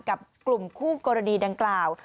กับกลุ่มคู่กรณีดังกล่าว